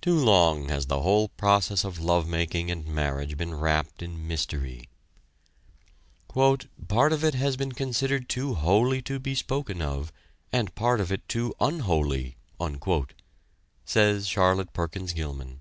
Too long has the whole process of love making and marriage been wrapped in mystery. "Part of it has been considered too holy to be spoken of and part of it too unholy," says Charlotte Perkins Gilman.